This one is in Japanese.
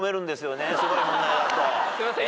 すいません。